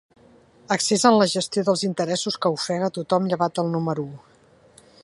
Excés en la gestió dels interessos que ofega tothom llevat del número u.